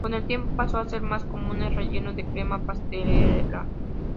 Con el tiempo, pasó a ser más común el relleno de crema pastelera.